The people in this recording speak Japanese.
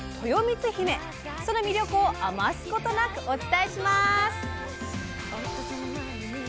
その魅力を余すことなくお伝えします！